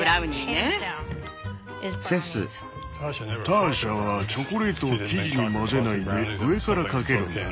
ターシャはチョコレートを生地に混ぜないで上からかけるんだ。